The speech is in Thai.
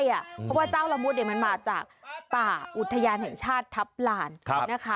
เพราะว่าเจ้าละมุดเอ็ดมันมาจากป่าอุตไฮยาลแห่งชาติทัพธรรม